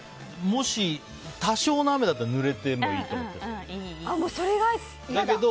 もし多少の雨だったらぬれてもいいと思うけど。